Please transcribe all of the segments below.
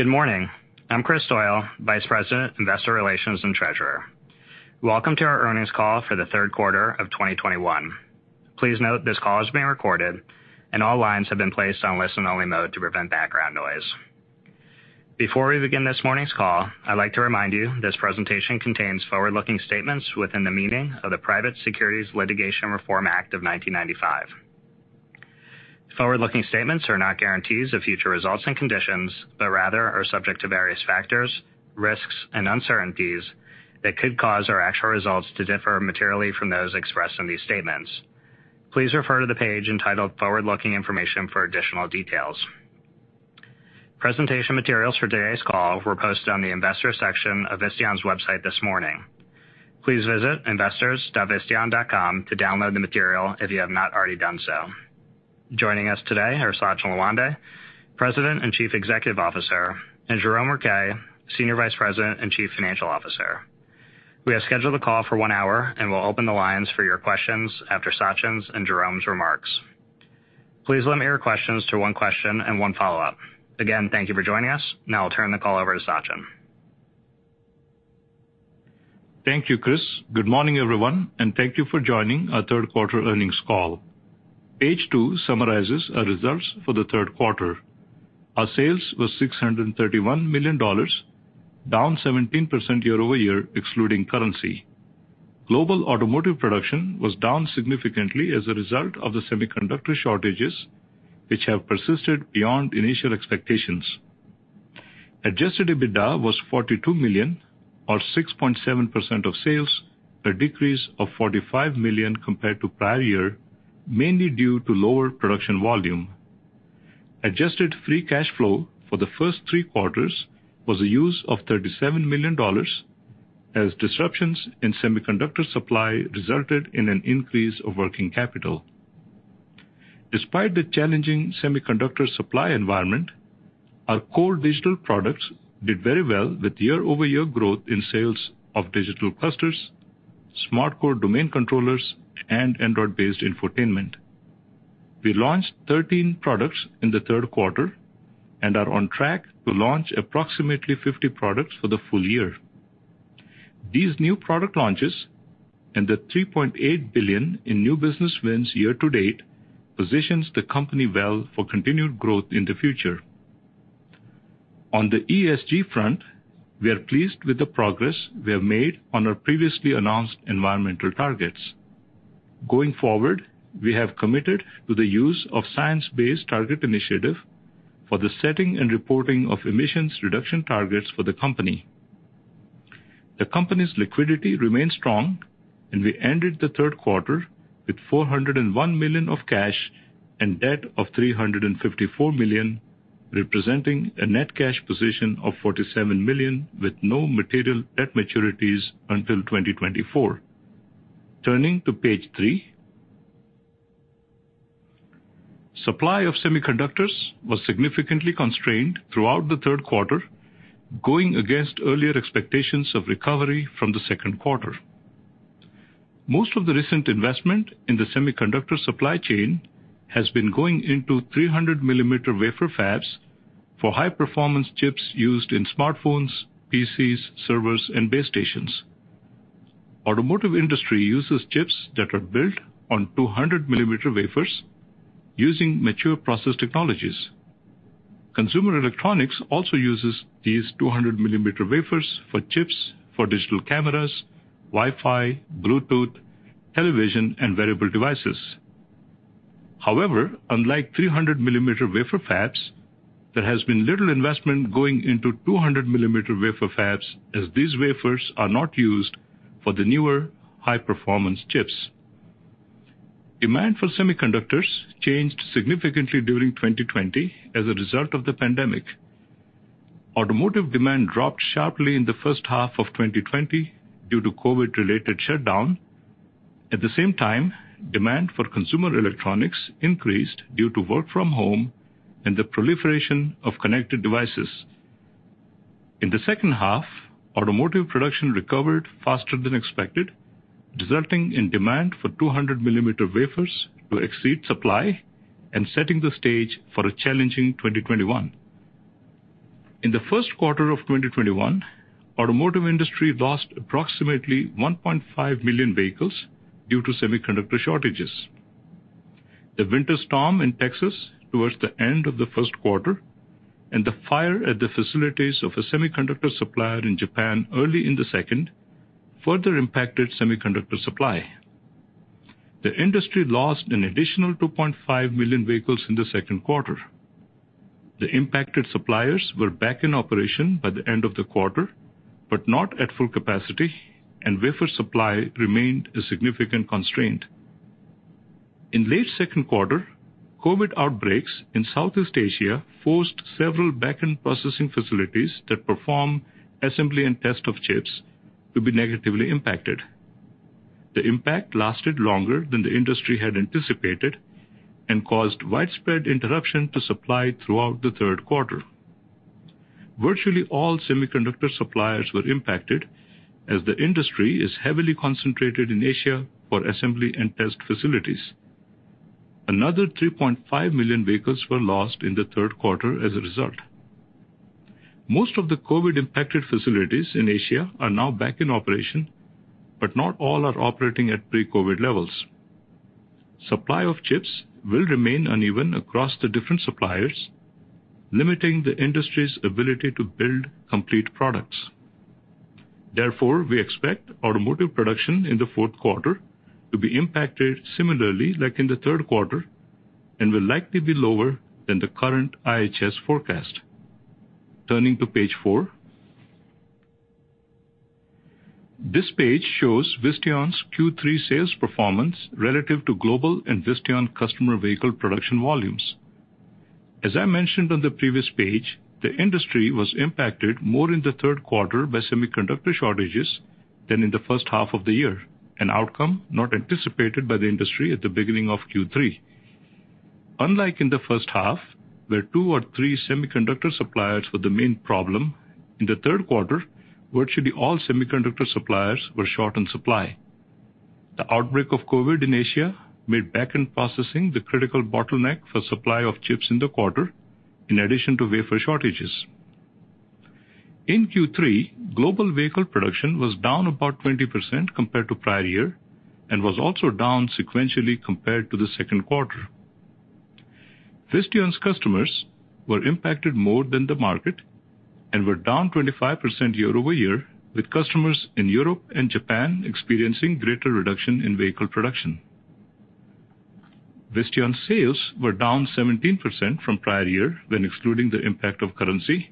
Good morning. I'm Kris Doyle, Vice President, Investor Relations and Treasurer. Welcome to our earnings call for the third quarter of 2021. Please note this call is being recorded and all lines have been placed on listen-only mode to prevent background noise. Before we begin this morning's call, I'd like to remind you this presentation contains forward-looking statements within the meaning of the Private Securities Litigation Reform Act of 1995. Forward-looking statements are not guarantees of future results and conditions, but rather are subject to various factors, risks, and uncertainties that could cause our actual results to differ materially from those expressed in these statements. Please refer to the page entitled Forward-Looking Information for additional details. Presentation materials for today's call were posted on the investor section of Visteon's website this morning. Please visit investors.visteon.com to download the material if you have not already done so. Joining us today are Sachin Lawande, President and Chief Executive Officer, and Jerome Rouquet, Senior Vice President and Chief Financial Officer. We have scheduled the call for one hour and will open the lines for your questions after Sachin's and Jerome's remarks. Please limit your questions to one question and one follow-up. Again, thank you for joining us. Now I'll turn the call over to Sachin. Thank you, Kris. Good morning, everyone, and thank you for joining our third quarter earnings call. Page two summarizes our results for the third quarter. Our sales was $631 million, down 17% year-over-year, excluding currency. Global automotive production was down significantly as a result of the semiconductor shortages, which have persisted beyond initial expectations. Adjusted EBITDA was $42 million or 6.7% of sales, a decrease of $45 million compared to prior year, mainly due to lower production volume. Adjusted free cash flow for the first 3Q was a use of $37 million as disruptions in semiconductor supply resulted in an increase of working capital. Despite the challenging semiconductor supply environment, our core digital products did very well with year-over-year growth in sales of digital clusters, SmartCore domain controllers, and Android-based infotainment. We launched 13 products in the third quarter and are on track to launch approximately 50 products for the full year. These new product launches and the $3.8 billion in new business wins year to date positions the company well for continued growth in the future. On the ESG front, we are pleased with the progress we have made on our previously announced environmental targets. Going forward, we have committed to the use of Science Based Targets initiative for the setting and reporting of emissions reduction targets for the company. The company's liquidity remains strong, and we ended the third quarter with $401 million of cash and debt of $354 million, representing a net cash position of $47 million with no material debt maturities until 2024. Turning to page three. Supply of semiconductors was significantly constrained throughout the third quarter, going against earlier expectations of recovery from the second quarter. Most of the recent investment in the semiconductor supply chain has been going into 300 millimeter wafer fabs for high-performance chips used in smartphones, PCs, servers, and base stations. Automotive industry uses chips that are built on 200 millimeter wafers using mature process technologies. Consumer electronics also uses these 200 millimeter wafers for chips for digital cameras, Wi-Fi, Bluetooth, television, and wearable devices. However, unlike 300 millimeter wafer fabs, there has been little investment going into 200 millimeter wafer fabs as these wafers are not used for the newer high-performance chips. Demand for semiconductors changed significantly during 2020 as a result of the pandemic. Automotive demand dropped sharply in the first half of 2020 due to COVID-related shutdown. At the same time, demand for consumer electronics increased due to work from home and the proliferation of connected devices. In the second half, automotive production recovered faster than expected, resulting in demand for 200 millimeter wafers to exceed supply and setting the stage for a challenging 2021. In the first quarter of 2021, automotive industry lost approximately 1.5 million vehicles due to semiconductor shortages. The winter storm in Texas towards the end of the first quarter and the fire at the facilities of a semiconductor supplier in Japan early in the second further impacted semiconductor supply. The industry lost an additional 2.5 million vehicles in the second quarter. The impacted suppliers were back in operation by the end of the quarter, but not at full capacity, and wafer supply remained a significant constraint. In late second quarter, COVID outbreaks in Southeast Asia forced several back-end processing facilities that perform assembly and test of chips to be negatively impacted. The impact lasted longer than the industry had anticipated and caused widespread interruption to supply throughout the third quarter. Virtually all semiconductor suppliers were impacted as the industry is heavily concentrated in Asia for assembly and test facilities. Another 3.5 million vehicles were lost in the third quarter as a result. Most of the COVID impacted facilities in Asia are now back in operation, but not all are operating at pre-COVID levels. Supply of chips will remain uneven across the different suppliers, limiting the industry's ability to build complete products. Therefore, we expect automotive production in the fourth quarter to be impacted similarly, like in the third quarter, and will likely be lower than the current IHS forecast. Turning to page four. This page shows Visteon's Q3 sales performance relative to global and Visteon customer vehicle production volumes. As I mentioned on the previous page, the industry was impacted more in the third quarter by semiconductor shortages than in the first half of the year, an outcome not anticipated by the industry at the beginning of Q3. Unlike in the first half, where two or three semiconductor suppliers were the main problem, in the third quarter, virtually all semiconductor suppliers were short on supply. The outbreak of COVID in Asia made back-end processing the critical bottleneck for supply of chips in the quarter, in addition to wafer shortages. In Q3, global vehicle production was down about 20% compared to prior year and was also down sequentially compared to the second quarter. Visteon's customers were impacted more than the market and were down 25% year-over-year, with customers in Europe and Japan experiencing greater reduction in vehicle production. Visteon sales were down 17% from prior year when excluding the impact of currency,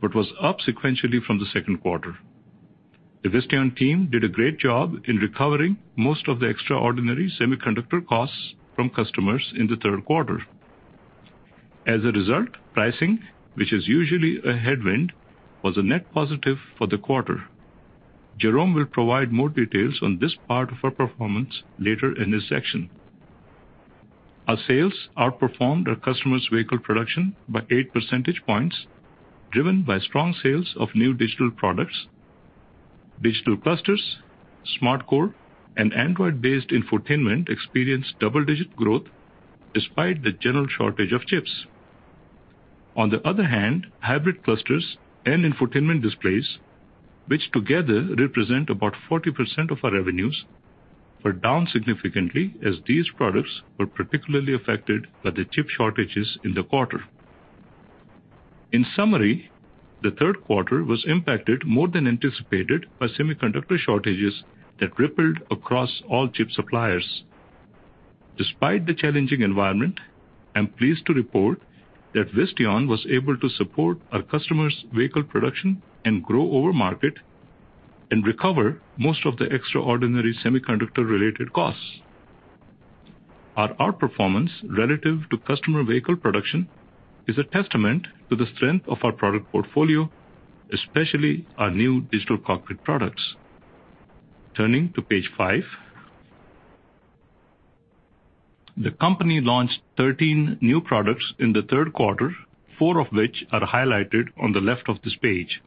but was up sequentially from the second quarter. The Visteon team did a great job in recovering most of the extraordinary semiconductor costs from customers in the third quarter. As a result, pricing, which is usually a headwind, was a net positive for the quarter. Jerome will provide more details on this part of our performance later in this section. Our sales outperformed our customers' vehicle production by 8 percentage points, driven by strong sales of new digital products. Digital clusters, SmartCore, and Android-based infotainment experienced double-digit growth despite the general shortage of chips. On the other hand, hybrid clusters and infotainment displays, which together represent about 40% of our revenues, were down significantly as these products were particularly affected by the chip shortages in the quarter. In summary, the third quarter was impacted more than anticipated by semiconductor shortages that rippled across all chip suppliers. Despite the challenging environment, I'm pleased to report that Visteon was able to support our customers' vehicle production and grow over market and recover most of the extraordinary semiconductor-related costs. Our outperformance relative to customer vehicle production is a testament to the strength of our product portfolio, especially our new digital cockpit products. Turning to page five. The company launched 13 new products in the third quarter, four of which are highlighted on the left of this page.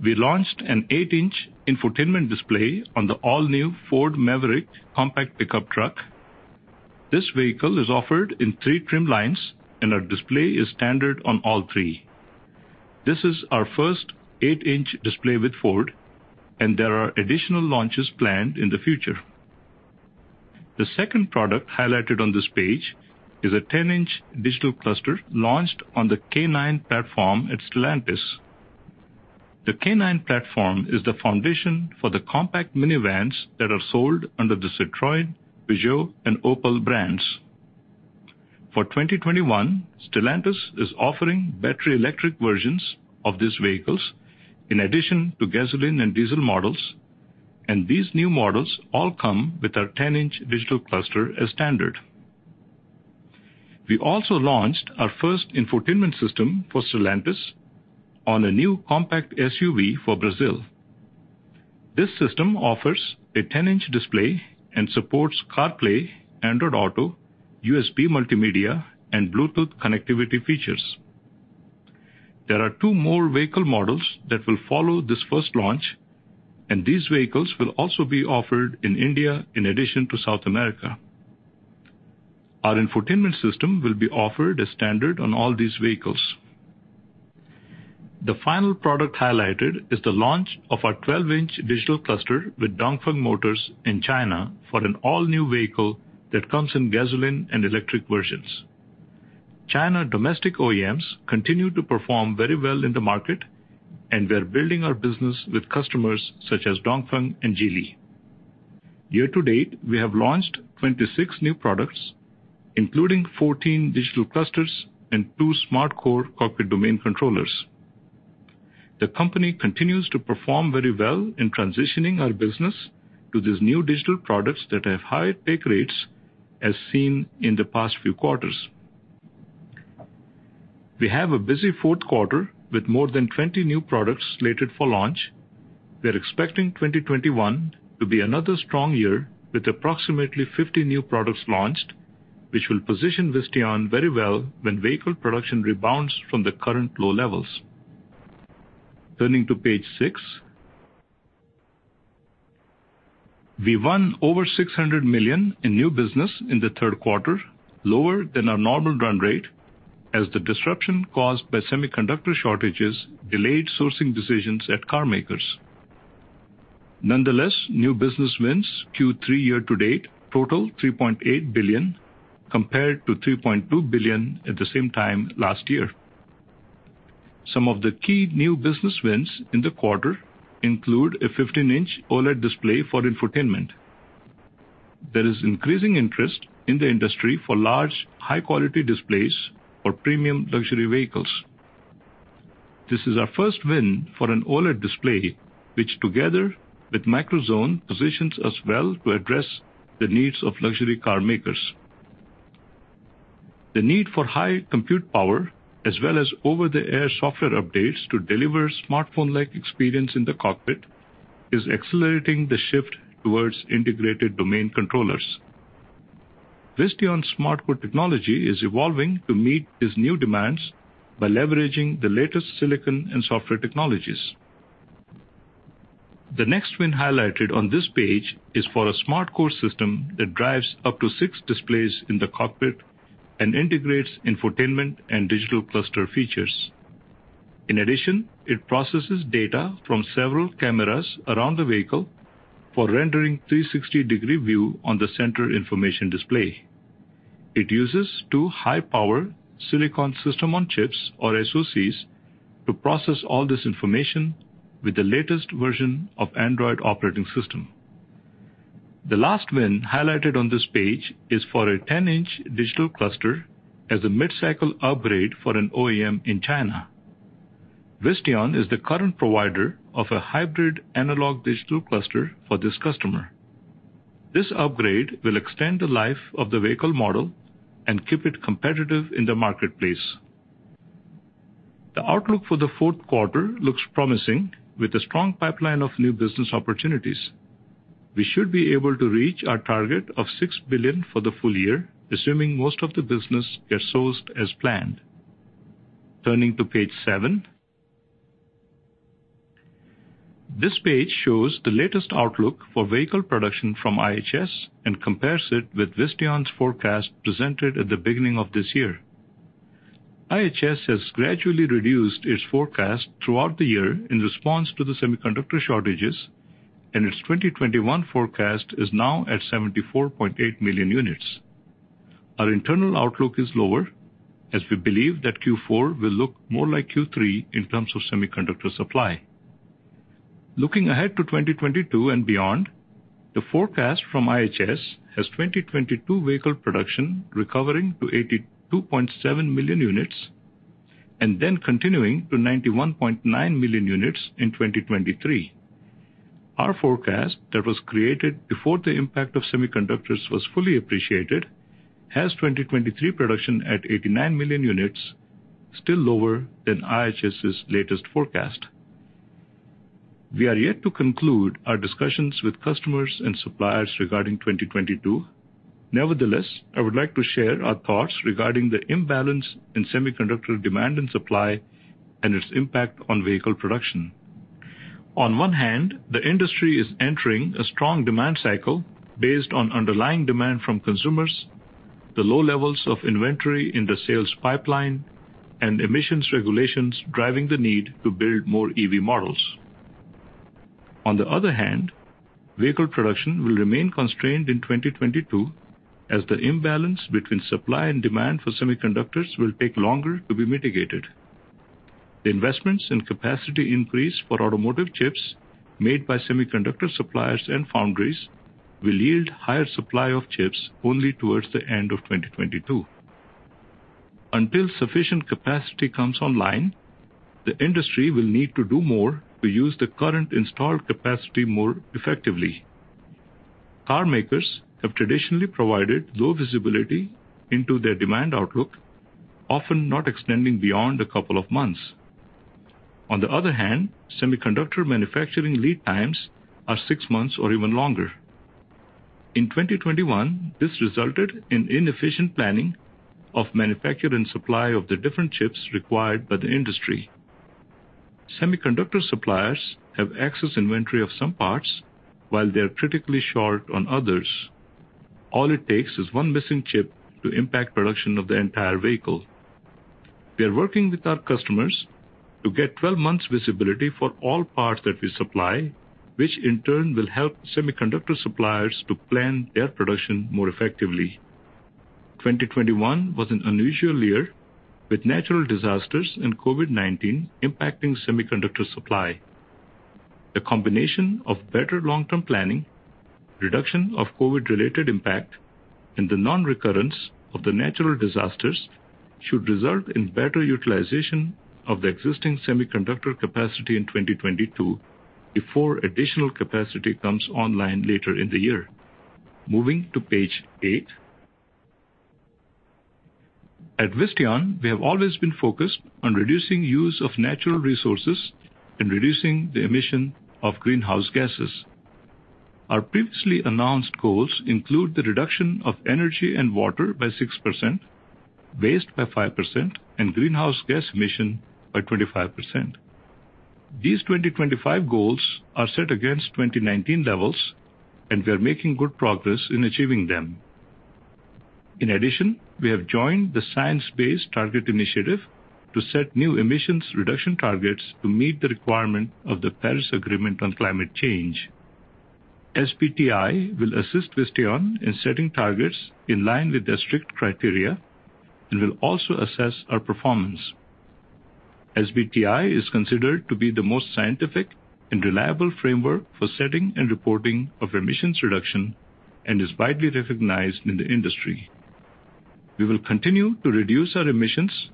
We launched an 8-inch infotainment display on the all new Ford Maverick compact pickup truck. This vehicle is offered in 3 trim lines, and our display is standard on all three. This is our first 8-inch display with Ford, and there are additional launches planned in the future. The second product highlighted on this page is a 10-inch digital cluster launched on the K9 platform at Stellantis. The K9 platform is the foundation for the compact minivans that are sold under the Citroën, Peugeot, and Opel brands. For 2021, Stellantis is offering battery electric versions of these vehicles in addition to gasoline and diesel models, and these new models all come with our 10-inch digital cluster as standard. We also launched our first infotainment system for Stellantis on a new compact SUV for Brazil. This system offers a 10-inch display and supports CarPlay, Android Auto, USB multimedia, and Bluetooth connectivity features. There are two more vehicle models that will follow this first launch, and these vehicles will also be offered in India in addition to South America. Our infotainment system will be offered as standard on all these vehicles. The final product highlighted is the launch of our 12-inch digital cluster with Dongfeng Motor in China for an all-new vehicle that comes in gasoline and electric versions. China domestic OEMs continue to perform very well in the market, and we're building our business with customers such as Dongfeng and Geely. Year to date, we have launched 26 new products, including 14 digital clusters and two SmartCore cockpit domain controllers. The company continues to perform very well in transitioning our business to these new digital products that have higher take rates as seen in the past few quarters. We have a busy fourth quarter with more than 20 new products slated for launch. We're expecting 2021 to be another strong year with approximately 50 new products launched, which will position Visteon very well when vehicle production rebounds from the current low levels. Turning to page six. We won over $600 million in new business in the third quarter, lower than our normal run rate as the disruption caused by semiconductor shortages delayed sourcing decisions at car makers. Nonetheless, new business wins Q3 year to date total $3.8 billion compared to $3.2 billion at the same time last year. Some of the key new business wins in the quarter include a 15-inch OLED display for infotainment. There is increasing interest in the industry for large high-quality displays for premium luxury vehicles. This is our first win for an OLED display, which together with microZone, positions us well to address the needs of luxury car makers. The need for high compute power as well as over-the-air software updates to deliver smartphone-like experience in the cockpit is accelerating the shift towards integrated domain controllers. Visteon SmartCore technology is evolving to meet these new demands by leveraging the latest silicon and software technologies. The next win highlighted on this page is for a SmartCore system that drives up to six displays in the cockpit and integrates infotainment and digital cluster features. In addition, it processes data from several cameras around the vehicle for rendering 360-degree view on the center information display. It uses two high-power silicon system on chips or SoCs to process all this information with the latest version of Android operating system. The last win highlighted on this page is for a 10-inch digital cluster as a mid-cycle upgrade for an OEM in China. Visteon is the current provider of a hybrid analog digital cluster for this customer. This upgrade will extend the life of the vehicle model and keep it competitive in the marketplace. The outlook for the fourth quarter looks promising with a strong pipeline of new business opportunities. We should be able to reach our target of $6 billion for the full year, assuming most of the business get sourced as planned. Turning to page 7. This page shows the latest outlook for vehicle production from IHS and compares it with Visteon's forecast presented at the beginning of this year. IHS has gradually reduced its forecast throughout the year in response to the semiconductor shortages, and its 2021 forecast is now at 74.8 million units. Our internal outlook is lower as we believe that Q4 will look more like Q3 in terms of semiconductor supply. Looking ahead to 2022 and beyond, the forecast from IHS has 2022 vehicle production recovering to 82.7 million units and then continuing to 91.9 million units in 2023. Our forecast that was created before the impact of semiconductors was fully appreciated has 2023 production at 89 million units, still lower than IHS's latest forecast. We are yet to conclude our discussions with customers and suppliers regarding 2022. Nevertheless, I would like to share our thoughts regarding the imbalance in semiconductor demand and supply and its impact on vehicle production. On one hand, the industry is entering a strong demand cycle based on underlying demand from consumers, the low levels of inventory in the sales pipeline and emissions regulations driving the need to build more EV models. On the other hand, vehicle production will remain constrained in 2022 as the imbalance between supply and demand for semiconductors will take longer to be mitigated. The investments in capacity increase for automotive chips made by semiconductor suppliers and foundries will yield higher supply of chips only towards the end of 2022. Until sufficient capacity comes online, the industry will need to do more to use the current installed capacity more effectively. Car makers have traditionally provided low visibility into their demand outlook, often not extending beyond a couple of months. On the other hand, semiconductor manufacturing lead times are six months or even longer. In 2021, this resulted in inefficient planning of manufacture and supply of the different chips required by the industry. Semiconductor suppliers have excess inventory of some parts while they are critically short on others. All it takes is one missing chip to impact production of the entire vehicle. We are working with our customers to get 12 months visibility for all parts that we supply, which in turn will help semiconductor suppliers to plan their production more effectively. 2021 was an unusual year with natural disasters and COVID-19 impacting semiconductor supply. The combination of better long-term planning, reduction of COVID-related impact, and the non-recurrence of the natural disasters should result in better utilization of the existing semiconductor capacity in 2022 before additional capacity comes online later in the year. Moving to page 8. At Visteon, we have always been focused on reducing use of natural resources and reducing the emission of greenhouse gases. Our previously announced goals include the reduction of energy and water by 6%. Waste by 5% and greenhouse gas emission by 25%. These 2025 goals are set against 2019 levels, and we are making good progress in achieving them. In addition, we have joined the Science Based Targets initiative to set new emissions reduction targets to meet the requirement of the Paris Agreement on climate change. SBTI will assist Visteon in setting targets in line with their strict criteria and will also assess our performance. SBTI is considered to be the most scientific and reliable framework for setting and reporting of emissions reduction, and is widely recognized in the industry. We will continue to reduce our emissions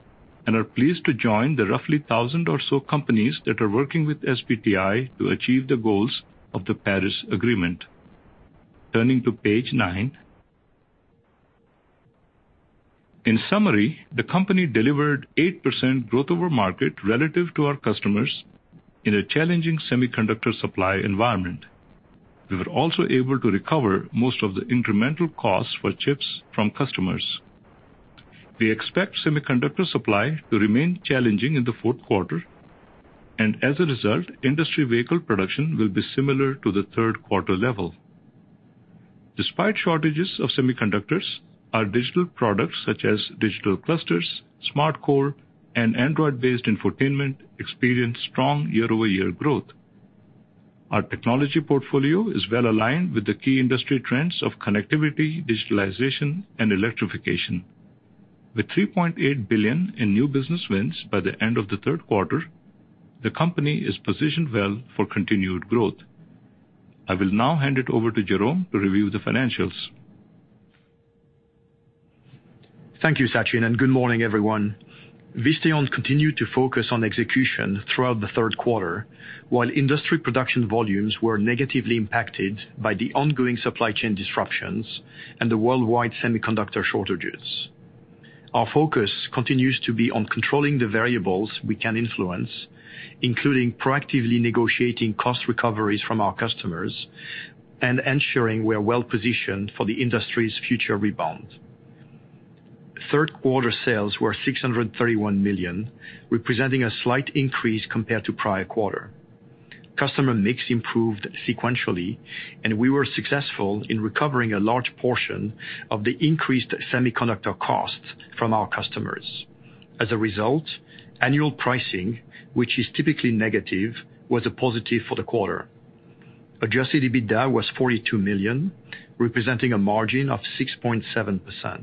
and are pleased to join the roughly 1,000 or so companies that are working with SBTI to achieve the goals of the Paris Agreement. Turning to page nine. In summary, the company delivered 8% growth over market relative to our customers in a challenging semiconductor supply environment. We were also able to recover most of the incremental costs for chips from customers. We expect semiconductor supply to remain challenging in the fourth quarter, and as a result, industry vehicle production will be similar to the third quarter level. Despite shortages of semiconductors, our digital products such as digital clusters, SmartCore, and Android-based infotainment experienced strong year-over-year growth. Our technology portfolio is well aligned with the key industry trends of connectivity, digitalization, and electrification. With $3.8 billion in new business wins by the end of the third quarter, the company is positioned well for continued growth. I will now hand it over to Jerome to review the financials. Thank you, Sachin, and good morning, everyone. Visteon continued to focus on execution throughout the third quarter, while industry production volumes were negatively impacted by the ongoing supply chain disruptions and the worldwide semiconductor shortages. Our focus continues to be on controlling the variables we can influence, including proactively negotiating cost recoveries from our customers and ensuring we are well-positioned for the industry's future rebound. Third quarter sales were $631 million, representing a slight increase compared to prior quarter. Customer mix improved sequentially, and we were successful in recovering a large portion of the increased semiconductor costs from our customers. As a result, annual pricing, which is typically negative, was a positive for the quarter. Adjusted EBITDA was $42 million, representing a margin of 6.7%.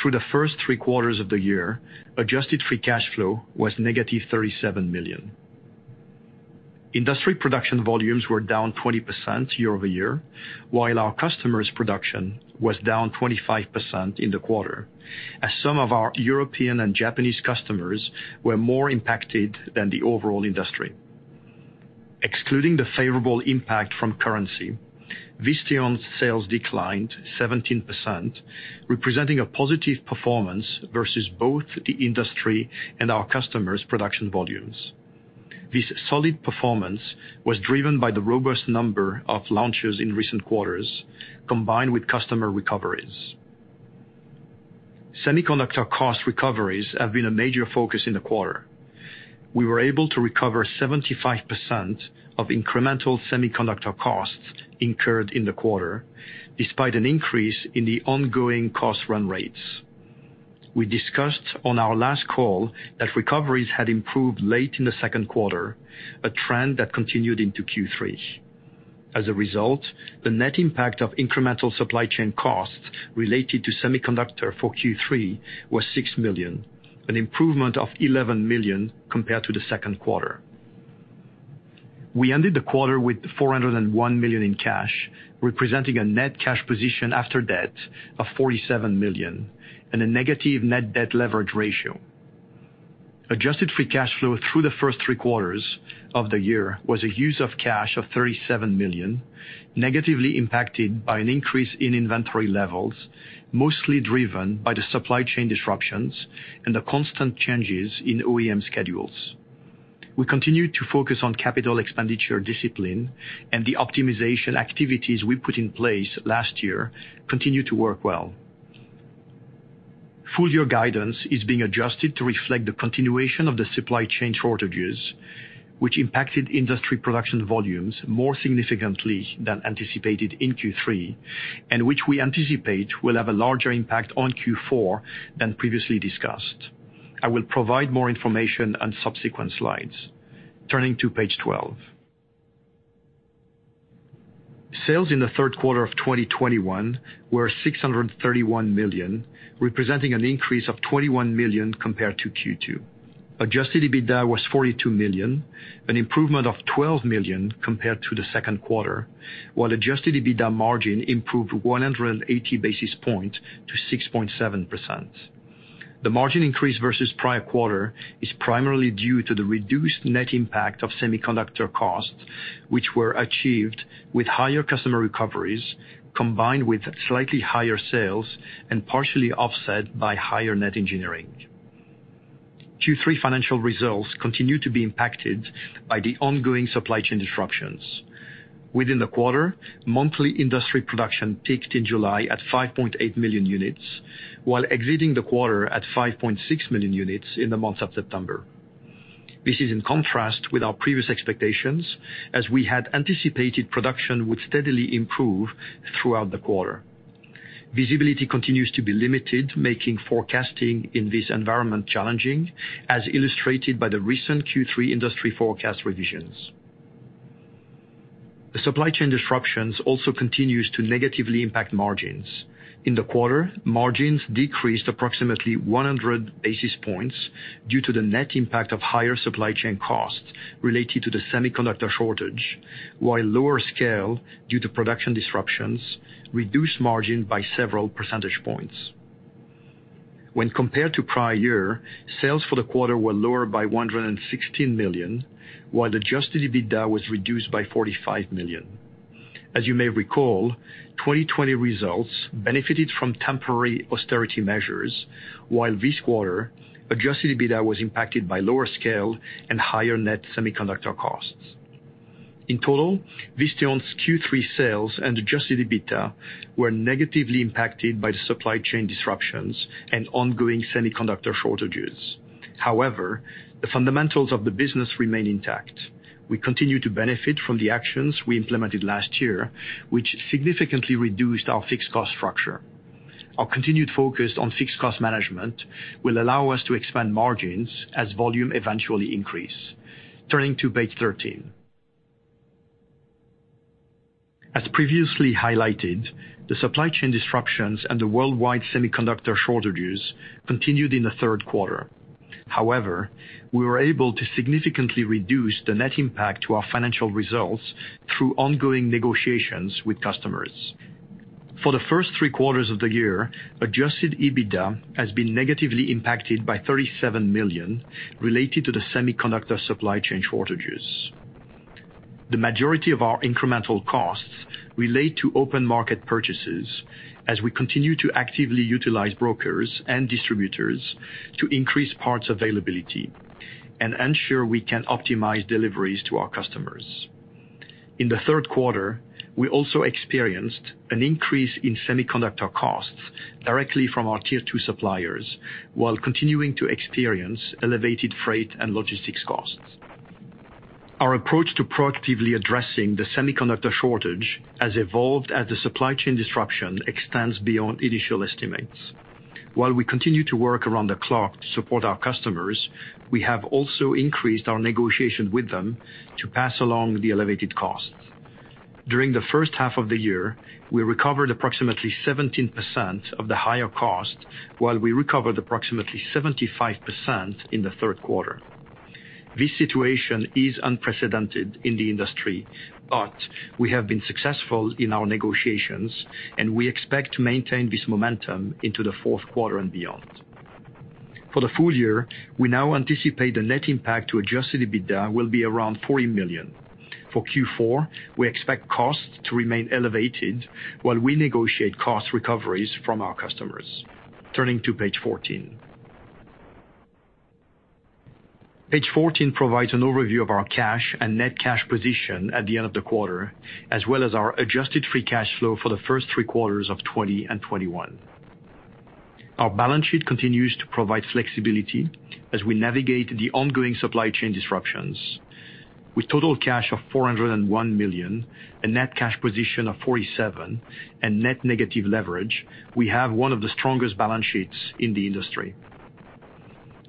Through the first three quarters of the year, adjusted free cash flow was -$37 million. Industry production volumes were down 20% year-over-year, while our customers' production was down 25% in the quarter, as some of our European and Japanese customers were more impacted than the overall industry. Excluding the favorable impact from currency, Visteon sales declined 17%, representing a positive performance versus both the industry and our customers' production volumes. This solid performance was driven by the robust number of launches in recent quarters, combined with customer recoveries. Semiconductor cost recoveries have been a major focus in the quarter. We were able to recover 75% of incremental semiconductor costs incurred in the quarter, despite an increase in the ongoing cost run rates. We discussed on our last call that recoveries had improved late in the second quarter, a trend that continued into Q3. As a result, the net impact of incremental supply chain costs related to semiconductor for Q3 was $6 million, an improvement of $11 million compared to the second quarter. We ended the quarter with $401 million in cash, representing a net cash position after debt of $47 million and a negative net debt leverage ratio. Adjusted free cash flow through the first three quarters of the year was a use of cash of $37 million, negatively impacted by an increase in inventory levels, mostly driven by the supply chain disruptions and the constant changes in OEM schedules. We continue to focus on CapEx discipline, and the optimization activities we put in place last year continue to work well. Full-year guidance is being adjusted to reflect the continuation of the supply chain shortages, which impacted industry production volumes more significantly than anticipated in Q3, and which we anticipate will have a larger impact on Q4 than previously discussed. I will provide more information on subsequent slides. Turning to page 12. Sales in the third quarter of 2021 were $631 million, representing an increase of $21 million compared to Q2. Adjusted EBITDA was $42 million, an improvement of $12 million compared to the second quarter, while adjusted EBITDA margin improved 180 basis points to 6.7%. The margin increase versus prior quarter is primarily due to the reduced net impact of semiconductor costs, which were achieved with higher customer recoveries, combined with slightly higher sales and partially offset by higher net engineering. Q3 financial results continue to be impacted by the ongoing supply chain disruptions. Within the quarter, monthly industry production peaked in July at 5.8 million units, while exiting the quarter at 5.6 million units in the month of September. This is in contrast with our previous expectations, as we had anticipated production would steadily improve throughout the quarter. Visibility continues to be limited, making forecasting in this environment challenging, as illustrated by the recent Q3 industry forecast revisions. The supply chain disruptions also continues to negatively impact margins. In the quarter, margins decreased approximately 100 basis points due to the net impact of higher supply chain costs related to the semiconductor shortage, while lower scale, due to production disruptions, reduced margin by several percentage points. When compared to prior year, sales for the quarter were lower by $116 million, while adjusted EBITDA was reduced by $45 million. As you may recall, 2020 results benefited from temporary austerity measures, while this quarter, adjusted EBITDA was impacted by lower scale and higher net semiconductor costs. In total, Visteon's Q3 sales and adjusted EBITDA were negatively impacted by the supply chain disruptions and ongoing semiconductor shortages. However, the fundamentals of the business remain intact. We continue to benefit from the actions we implemented last year, which significantly reduced our fixed cost structure. Our continued focus on fixed cost management will allow us to expand margins as volume eventually increases. Turning to page 13. As previously highlighted, the supply chain disruptions and the worldwide semiconductor shortages continued in the third quarter. However, we were able to significantly reduce the net impact to our financial results through ongoing negotiations with customers. For the first three quarters of the year, adjusted EBITDA has been negatively impacted by $37 million related to the semiconductor supply chain shortages. The majority of our incremental costs relate to open market purchases as we continue to actively utilize brokers and distributors to increase parts availability and ensure we can optimize deliveries to our customers. In the third quarter, we also experienced an increase in semiconductor costs directly from our tier two suppliers while continuing to experience elevated freight and logistics costs. Our approach to proactively addressing the semiconductor shortage has evolved as the supply chain disruption extends beyond initial estimates. While we continue to work around the clock to support our customers, we have also increased our negotiation with them to pass along the elevated costs. During the first half of the year, we recovered approximately 17% of the higher cost, while we recovered approximately 75% in the third quarter. This situation is unprecedented in the industry, but we have been successful in our negotiations, and we expect to maintain this momentum into the fourth quarter and beyond. For the full year, we now anticipate the net impact to adjusted EBITDA will be around $40 million. For Q4, we expect costs to remain elevated while we negotiate cost recoveries from our customers. Turning to page 14. Page fourteen provides an overview of our cash and net cash position at the end of the quarter, as well as our adjusted free cash flow for the first three quarters of 2021. Our balance sheet continues to provide flexibility as we navigate the ongoing supply chain disruptions. With total cash of $401 million, a net cash position of $47 million, and net negative leverage, we have one of the strongest balance sheets in the industry.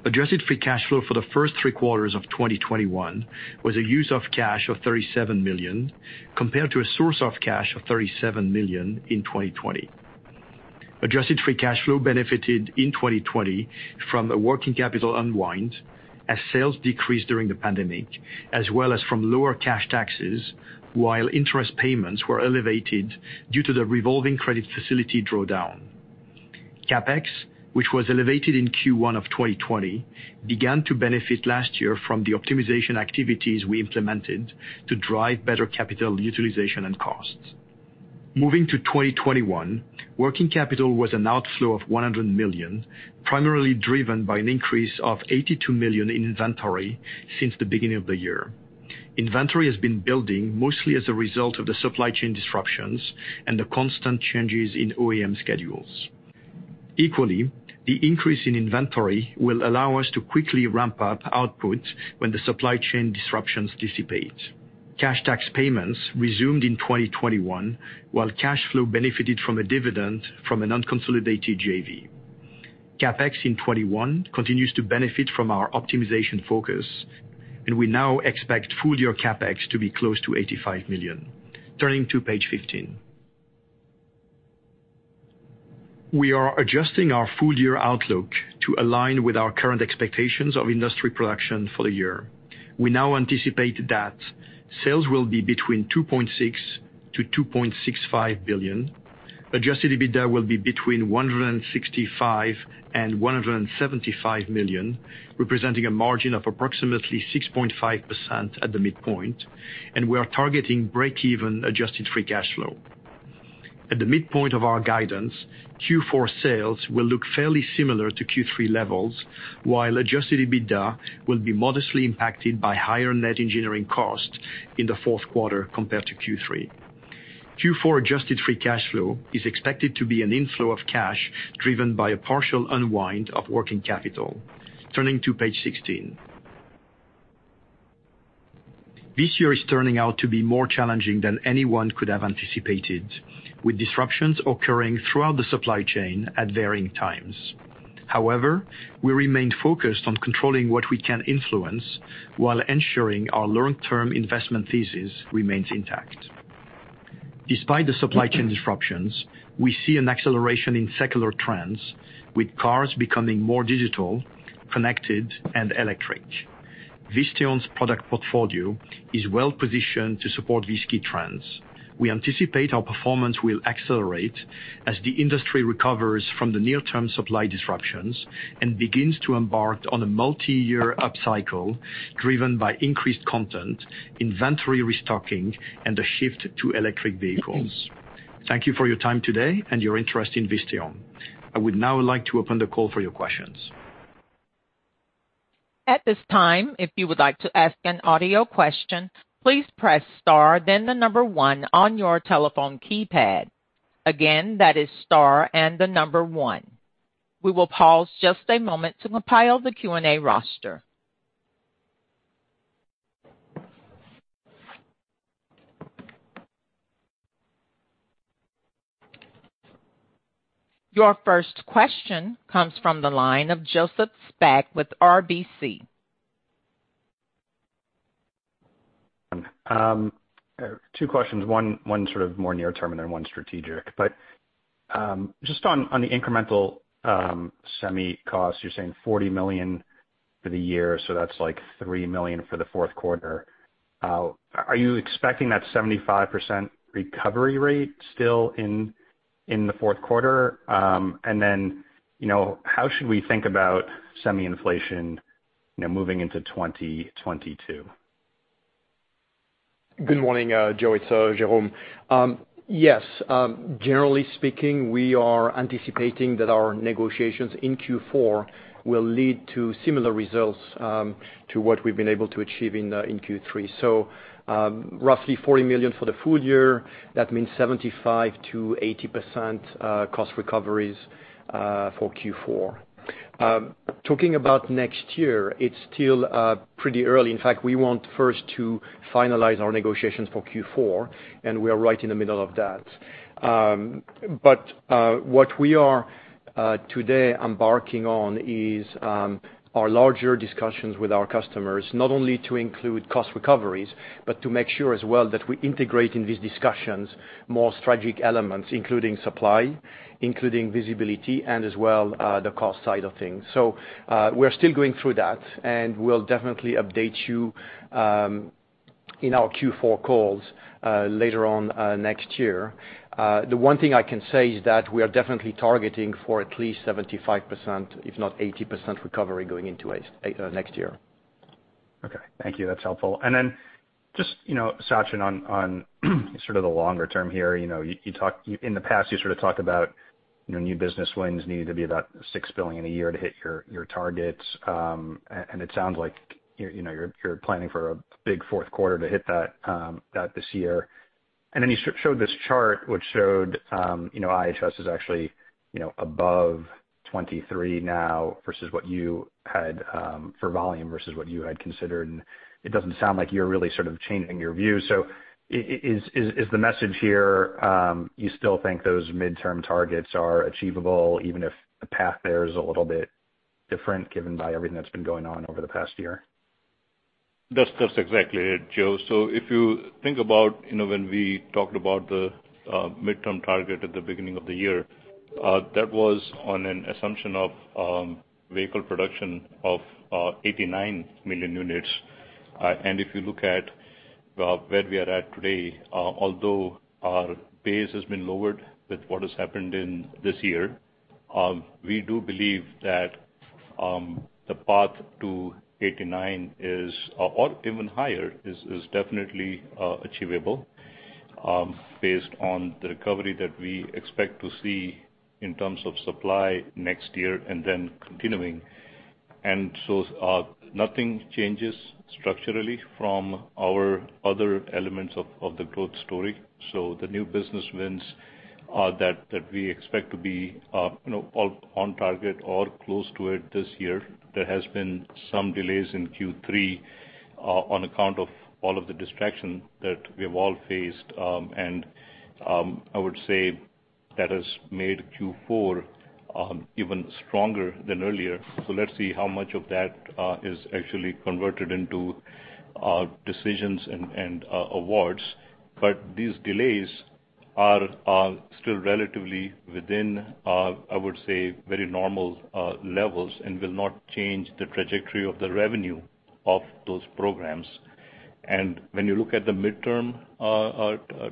Adjusted free cash flow for the first three quarters of 2021 was a use of cash of $37 million, compared to a source of cash of $37 million in 2020. Adjusted free cash flow benefited in 2020 from a working capital unwind as sales decreased during the pandemic, as well as from lower cash taxes, while interest payments were elevated due to the revolving credit facility drawdown. CapEx, which was elevated in Q1 of 2020, began to benefit last year from the optimization activities we implemented to drive better capital utilization and costs. Moving to 2021, working capital was an outflow of $100 million, primarily driven by an increase of $82 million in inventory since the beginning of the year. Inventory has been building mostly as a result of the supply chain disruptions and the constant changes in OEM schedules. Equally, the increase in inventory will allow us to quickly ramp up output when the supply chain disruptions dissipate. Cash tax payments resumed in 2021, while cash flow benefited from a dividend from an unconsolidated JV. CapEx in 2021 continues to benefit from our optimization focus, and we now expect full year CapEx to be close to $85 million. Turning to page 15. We are adjusting our full-year outlook to align with our current expectations of industry production for the year. We now anticipate that sales will be $2.6 billion-$2.65 billion. Adjusted EBITDA will be $165 million-$175 million, representing a margin of approximately 6.5% at the midpoint, and we are targeting breakeven adjusted free cash flow. At the midpoint of our guidance, Q4 sales will look fairly similar to Q3 levels, while adjusted EBITDA will be modestly impacted by higher net engineering costs in the fourth quarter compared to Q3. Q4 adjusted free cash flow is expected to be an inflow of cash driven by a partial unwind of working capital. Turning to page 16. This year is turning out to be more challenging than anyone could have anticipated, with disruptions occurring throughout the supply chain at varying times. However, we remain focused on controlling what we can influence while ensuring our long-term investment thesis remains intact. Despite the supply chain disruptions, we see an acceleration in secular trends, with cars becoming more digital, connected, and electric. Visteon's product portfolio is well-positioned to support these key trends. We anticipate our performance will accelerate as the industry recovers from the near-term supply disruptions and begins to embark on a multi-year upcycle driven by increased content, inventory restocking, and the shift to electric vehicles. Thank you for your time today and your interest in Visteon. I would now like to open the call for your questions. At this time, if you would like to ask an audio question, please press star, then one on your telephone keypad. Again, that is star and one. We will pause just a moment to compile the Q&A roster. Your first question comes from the line of Joseph Spak with RBC. Two questions, one sort of more near-term and then one strategic. Just on the incremental semi costs, you're saying $40 million for the year, so that's like $3 million for the fourth quarter. Are you expecting that 75% recovery rate still in the fourth quarter? You know, how should we think about semi inflation, you know, moving into 2022? Good morning, Joe. It's Jerome. Yes. Generally speaking, we are anticipating that our negotiations in Q4 will lead to similar results to what we've been able to achieve in Q3. Roughly $40 million for the full year. That means 75%-80% cost recoveries for Q4. Talking about next year, it's still pretty early. In fact, we want first to finalize our negotiations for Q4, and we are right in the middle of that. What we are today embarking on is our larger discussions with our customers, not only to include cost recoveries, but to make sure as well that we integrate in these discussions more strategic elements, including supply, including visibility, and as well, the cost side of things. We're still going through that, and we'll definitely update you in our Q4 calls later on next year. The one thing I can say is that we are definitely targeting for at least 75%, if not 80% recovery going into next year. Okay. Thank you. That's helpful. Just, you know, Sachin, on sort of the longer term here. You know, in the past, you sort of talked about, you know, new business wins needed to be about $6 billion a year to hit your targets. It sounds like, you know, you're planning for a big fourth quarter to hit that this year. You showed this chart which showed, you know, IHS is actually, you know, above 23 now versus what you had for volume versus what you had considered. It doesn't sound like you're really sort of changing your view. Is the message here, you still think those midterm targets are achievable, even if the path there is a little bit different given everything that's been going on over the past year? That's exactly it, Joe. If you think about, you know, when we talked about the midterm target at the beginning of the year, that was on an assumption of vehicle production of 89 million units. If you look at where we are at today, although our base has been lowered with what has happened in this year, we do believe that the path to 89 is, or even higher, definitely achievable, based on the recovery that we expect to see in terms of supply next year and then continuing. Nothing changes structurally from our other elements of the growth story. The new business wins that we expect to be, you know, on target or close to it this year. There has been some delays in Q3 on account of all of the distraction that we have all faced. I would say that has made Q4 even stronger than earlier. Let's see how much of that is actually converted into decisions and awards. These delays are still relatively within, I would say, very normal levels and will not change the trajectory of the revenue of those programs. When you look at the midterm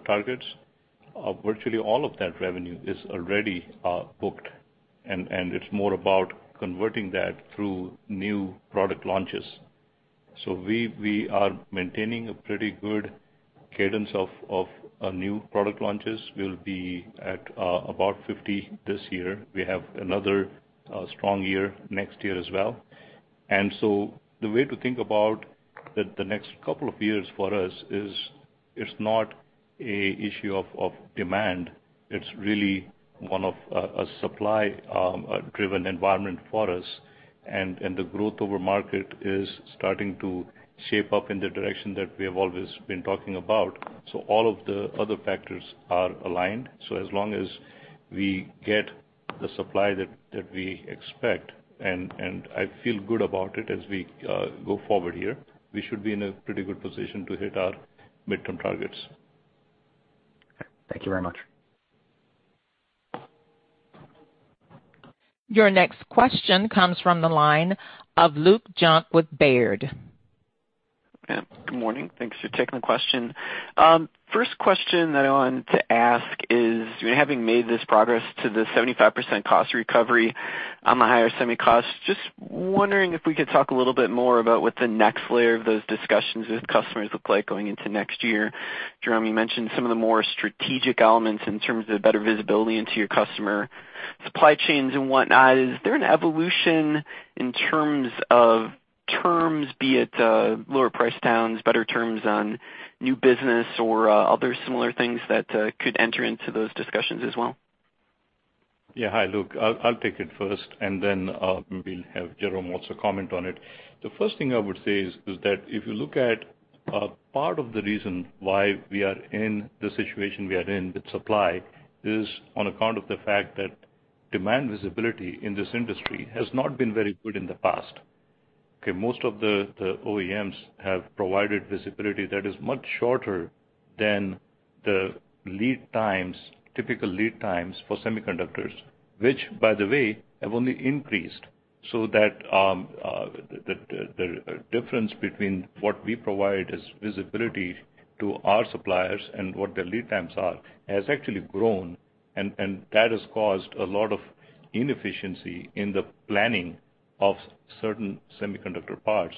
targets, virtually all of that revenue is already booked and it's more about converting that through new product launches. We are maintaining a pretty good cadence of new product launches. We'll be at about 50 this year. We have another strong year next year as well. The way to think about the next couple of years for us is it's not an issue of demand. It's really one of a supply driven environment for us, and the growth over market is starting to shape up in the direction that we have always been talking about. All of the other factors are aligned. As long as we get the supply that we expect, and I feel good about it as we go forward here, we should be in a pretty good position to hit our midterm targets. Thank you very much. Your next question comes from the line of Luke Junk with Baird. Yeah, good morning. Thanks for taking the question. First question that I wanted to ask is, you know, having made this progress to the 75% cost recovery on the higher semi costs, just wondering if we could talk a little bit more about what the next layer of those discussions with customers look like going into next year. Jerome, you mentioned some of the more strategic elements in terms of better visibility into your customer supply chains and whatnot. Is there an evolution in terms of terms, be it lower price downs, better terms on new business or other similar things that could enter into those discussions as well? Yeah. Hi, Luke. I'll take it first, and then maybe we'll have Jerome also comment on it. The first thing I would say is that if you look at part of the reason why we are in the situation we are in with supply is on account of the fact that demand visibility in this industry has not been very good in the past. Okay, most of the OEMs have provided visibility that is much shorter than the lead times, typical lead times for semiconductors, which by the way, have only increased. That the difference between what we provide as visibility to our suppliers and what the lead times are has actually grown and that has caused a lot of inefficiency in the planning of certain semiconductor parts.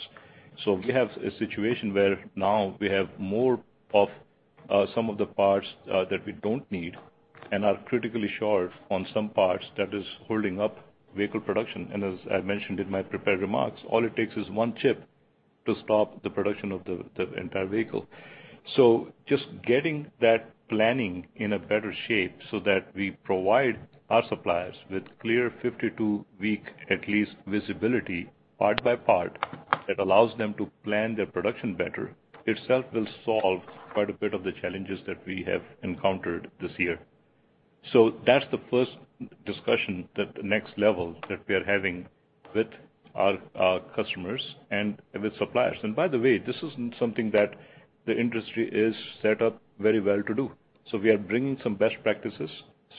We have a situation where now we have more of some of the parts that we don't need and are critically short on some parts that is holding up vehicle production. As I mentioned in my prepared remarks, all it takes is one chip to stop the production of the entire vehicle. Just getting that planning in a better shape so that we provide our suppliers with clear 52-week, at least visibility part by part that allows them to plan their production better itself will solve quite a bit of the challenges that we have encountered this year. That's the first discussion that the next level that we are having with our customers and with suppliers. By the way, this isn't something that the industry is set up very well to do. We are bringing some best practices.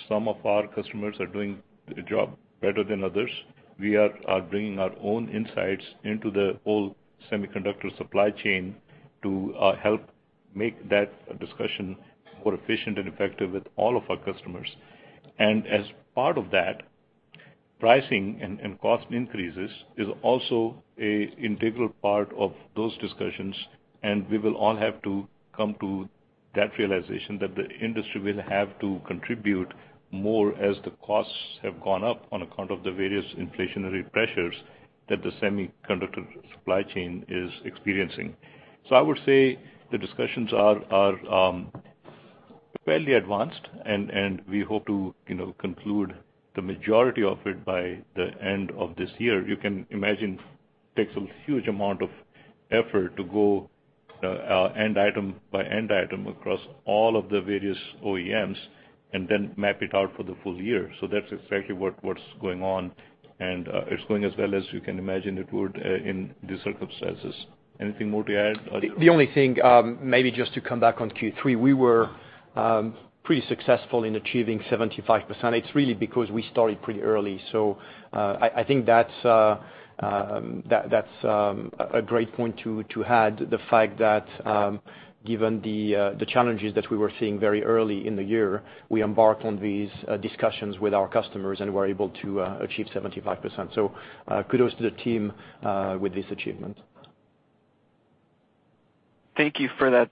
Some of our customers are doing the job better than others. We are bringing our own insights into the whole semiconductor supply chain to help make that discussion more efficient and effective with all of our customers. As part of that, pricing and cost increases is also a integral part of those discussions, and we will all have to come to that realization that the industry will have to contribute more as the costs have gone up on account of the various inflationary pressures that the semiconductor supply chain is experiencing. I would say the discussions are fairly advanced and we hope to, you know, conclude the majority of it by the end of this year. You can imagine it takes a huge amount of effort to go end item by end item across all of the various OEMs and then map it out for the full year. That's exactly what's going on, and it's going as well as you can imagine it would in these circumstances. Anything more to add, Jerome? The only thing, maybe just to come back on Q3, we were pretty successful in achieving 75%. It's really because we started pretty early. I think that's a great point to add the fact that, given the challenges that we were seeing very early in the year, we embarked on these discussions with our customers and were able to achieve 75%. Kudos to the team with this achievement. Thank you for that.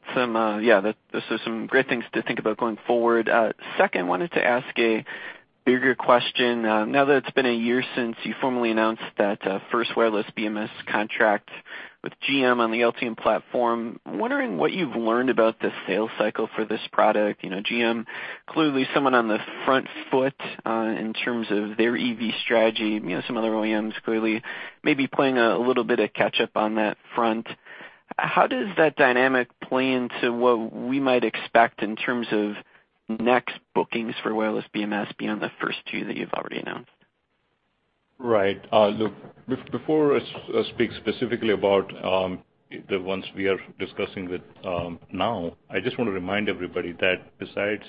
This is some great things to think about going forward. Second, wanted to ask a bigger question. Now that it's been a year since you formally announced that first wireless BMS contract with GM on the Ultium platform, I'm wondering what you've learned about the sales cycle for this product. You know, GM clearly someone on the front foot in terms of their EV strategy. You know, some other OEMs clearly maybe playing a little bit of catch up on that front. How does that dynamic play into what we might expect in terms of next bookings for wireless BMS beyond the first two that you've already announced? Right. Look, before I speak specifically about the ones we are discussing with now, I just want to remind everybody that besides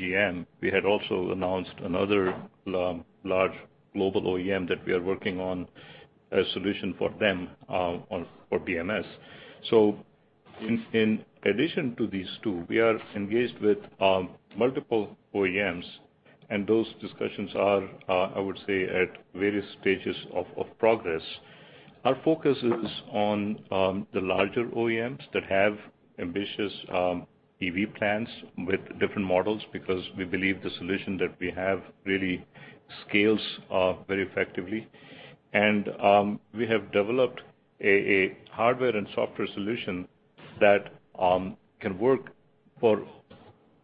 GM, we had also announced another large global OEM that we are working on a solution for them on for BMS. In addition to these two, we are engaged with multiple OEMs, and those discussions are, I would say at various stages of progress. Our focus is on the larger OEMs that have ambitious EV plans with different models because we believe the solution that we have really scales very effectively. We have developed a hardware and software solution that can work for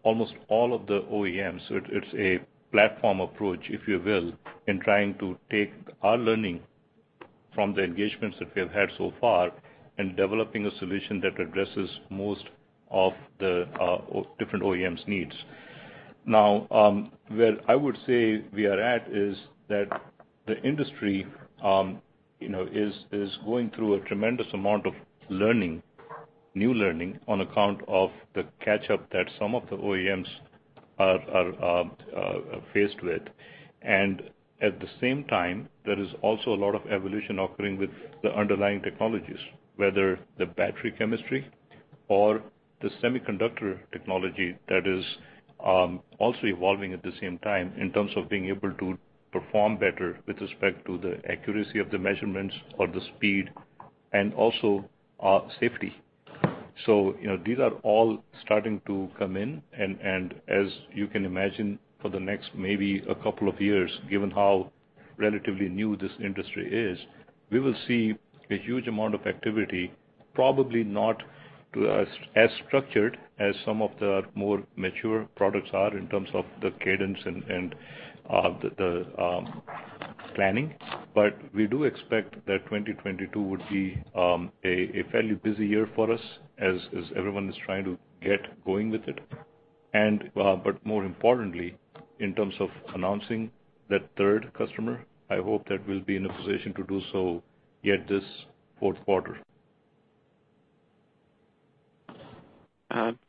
almost all of the OEMs. It's a platform approach, if you will, in trying to take our learning from the engagements that we have had so far in developing a solution that addresses most of the different OEMs needs. Now, where I would say we are at is that the industry, you know, is going through a tremendous amount of learning, new learning on account of the catch-up that some of the OEMs are faced with. At the same time, there is also a lot of evolution occurring with the underlying technologies, whether the battery chemistry or the semiconductor technology that is also evolving at the same time in terms of being able to perform better with respect to the accuracy of the measurements or the speed and also safety. You know, these are all starting to come in and as you can imagine, for the next maybe a couple of years, given how relatively new this industry is, we will see a huge amount of activity, probably not as structured as some of the more mature products are in terms of the cadence and the planning. But we do expect that 2022 would be a fairly busy year for us as everyone is trying to get going with it. More importantly, in terms of announcing that third customer, I hope that we'll be in a position to do so yet this fourth quarter.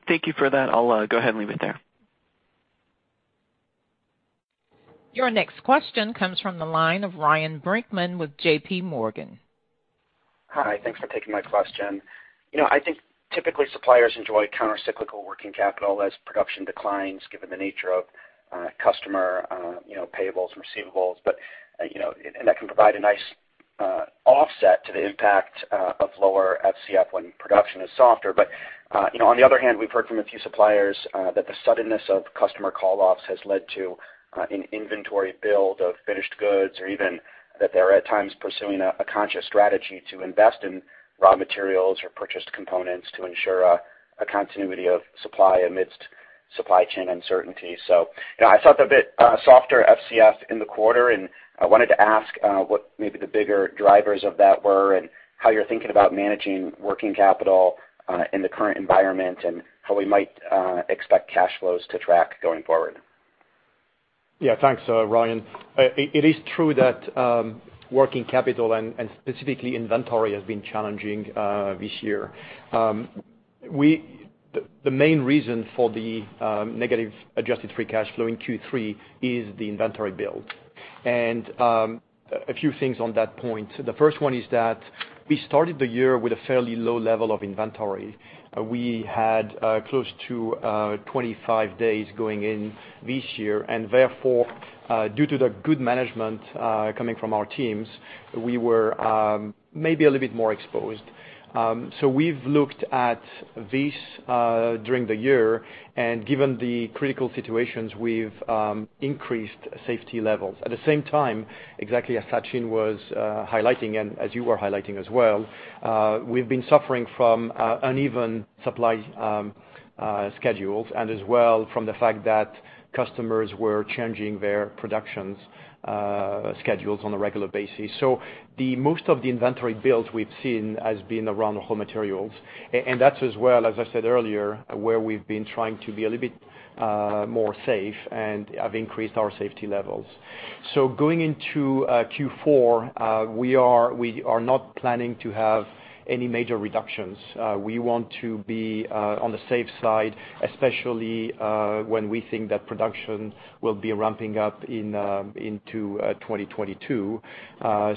Thank you for that. I'll go ahead and leave it there. Your next question comes from the line of Ryan Brinkman with JPMorgan. Hi. Thanks for taking my question. You know, I think typically suppliers enjoy countercyclical working capital as production declines given the nature of customer, you know, payables, receivables. You know, and that can provide a nice offset to the impact of lower FCF when production is softer. You know, on the other hand, we've heard from a few suppliers that the suddenness of customer call-offs has led to an inventory build of finished goods, or even that they're at times pursuing a conscious strategy to invest in raw materials or purchased components to ensure a continuity of supply amidst supply chain uncertainty. You know, I thought they're a bit softer FCF in the quarter, and I wanted to ask what maybe the bigger drivers of that were and how you're thinking about managing working capital in the current environment, and how we might expect cash flows to track going forward. Yeah. Thanks, Ryan. It is true that working capital and specifically inventory has been challenging this year. The main reason for the negative adjusted free cash flow in Q3 is the inventory build. A few things on that point. The first one is that we started the year with a fairly low level of inventory. We had close to 25 days going in this year, and therefore, due to the good management coming from our teams, we were maybe a little bit more exposed. We've looked at this during the year, and given the critical situations, we've increased safety levels. At the same time, exactly as Sachin was highlighting and as you were highlighting as well, we've been suffering from uneven supply schedules and as well from the fact that customers were changing their production schedules on a regular basis. Most of the inventory builds we've seen has been around raw materials. That's as well, as I said earlier, where we've been trying to be a little bit more safe and have increased our safety levels. Going into Q4, we are not planning to have any major reductions. We want to be on the safe side, especially when we think that production will be ramping up into 2022.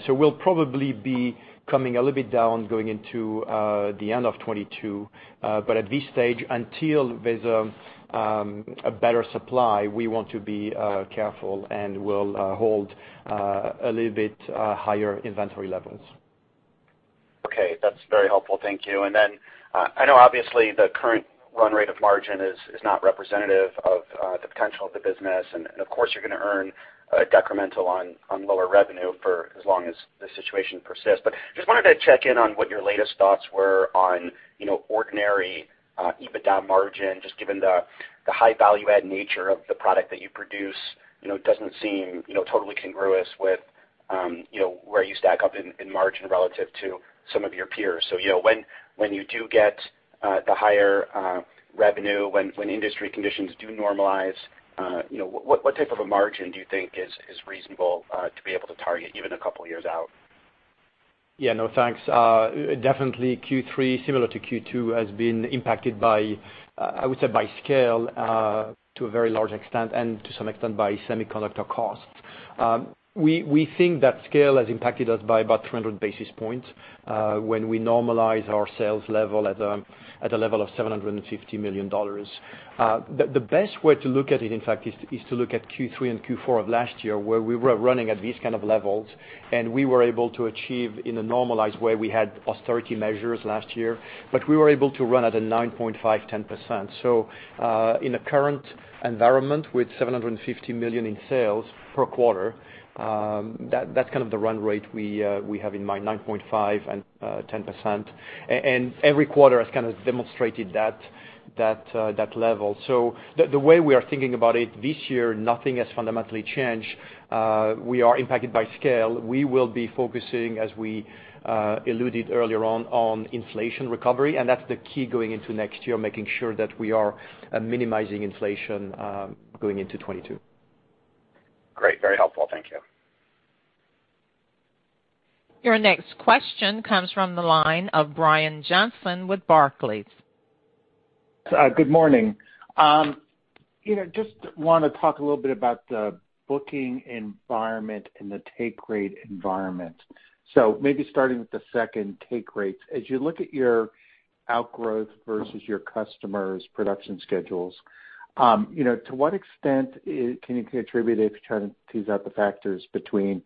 We'll probably be coming a little bit down going into the end of 2022. At this stage, until there's a better supply, we want to be careful, and we'll hold a little bit higher inventory levels. Okay. That's very helpful. Thank you. I know obviously the current run rate of margin is not representative of the potential of the business. Of course, you're gonna earn decremental on lower revenue for as long as the situation persists. Just wanted to check in on what your latest thoughts were on, you know, ordinary EBITDA margin, just given the high value add nature of the product that you produce, you know, doesn't seem, you know, totally congruous with, you know, where you stack up in margin relative to some of your peers. You know, when you do get the higher revenue, when industry conditions do normalize, you know, what type of a margin do you think is reasonable to be able to target even a couple years out? Yeah. No, thanks. Definitely Q3, similar to Q2, has been impacted by, I would say by scale, to a very large extent and to some extent by semiconductor costs. We think that scale has impacted us by about 300 basis points, when we normalize our sales level at a level of $750 million. The best way to look at it, in fact, is to look at Q3 and Q4 of last year, where we were running at these kind of levels, and we were able to achieve in a normalized way. We had austerity measures last year, but we were able to run at a 9.5%-10%. In the current environment with $750 million in sales per quarter, that's kind of the run rate we have in mind, 9.5% and 10%. Every quarter has kind of demonstrated that level. The way we are thinking about it this year, nothing has fundamentally changed. We are impacted by scale. We will be focusing, as we alluded earlier on inflation recovery, and that's the key going into next year, making sure that we are minimizing inflation going into 2022. Great. Very helpful. Thank you. Your next question comes from the line of Brian Johnson with Barclays. Good morning. You know, just wanna talk a little bit about the booking environment and the take rate environment. Maybe starting with the second, take rates. As you look at your outgrowth versus your customers' production schedules, you know, to what extent can you contribute if you try to tease out the factors between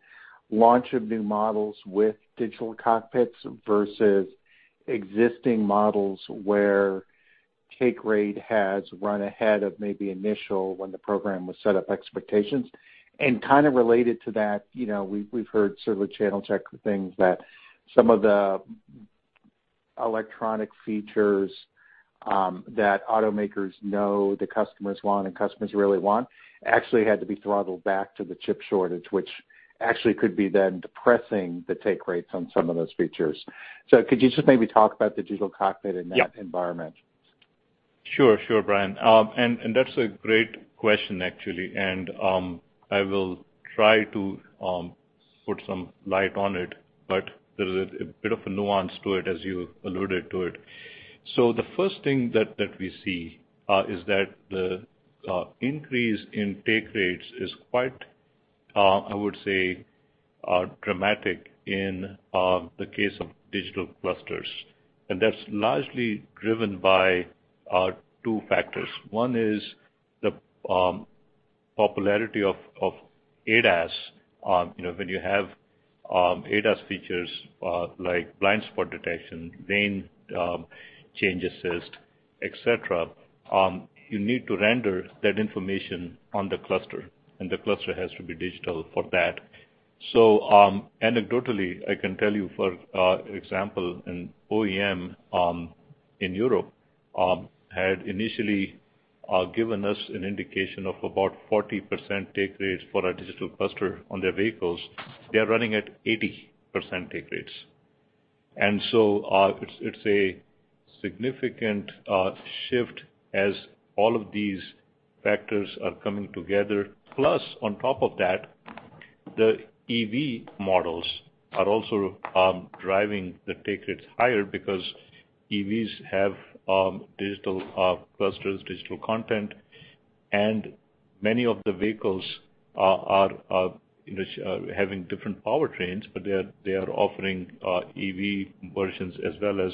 launch of new models with digital cockpits versus existing models where take rate has run ahead of maybe initial when the program was set up expectations. Kind of related to that, you know, we've heard sort of a channel check of things that some of the electronic features that automakers know the customers want and customers really want actually had to be throttled back due to the chip shortage, which actually could be then depressing the take rates on some of those features. Could you just maybe talk about the digital cockpit in that environment? Sure, Brian. That's a great question actually. I will try to put some light on it, but there's a bit of a nuance to it, as you alluded to it. The first thing that we see is that the increase in take rates is quite, I would say, dramatic in the case of digital clusters. That's largely driven by two factors. One is the popularity of ADAS. You know, when you have ADAS features like blind spot detection, lane change assist, et cetera, you need to render that information on the cluster, and the cluster has to be digital for that. Anecdotally, I can tell you, for example, an OEM in Europe had initially given us an indication of about 40% take rates for our digital cluster on their vehicles. They are running at 80% take rates. It's a significant shift as all of these factors are coming together. Plus, on top of that, the EV models are also driving the take rates higher because EVs have digital clusters, digital content, and many of the vehicles are, you know, having different powertrains, but they are offering EV versions as well as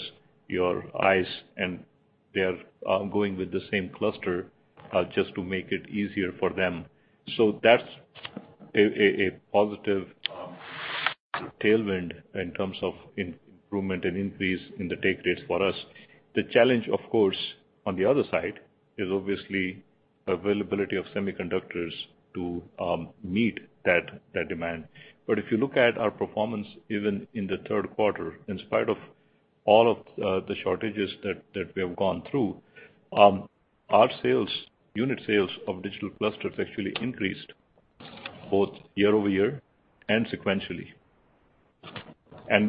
your ICE, and they are going with the same cluster just to make it easier for them. That's a positive tailwind in terms of improvement and increase in the take rates for us. The challenge, of course, on the other side is obviously availability of semiconductors to meet that demand. If you look at our performance even in the third quarter, in spite of all of the shortages that we have gone through, our sales, unit sales of digital clusters actually increased both year-over-year and sequentially.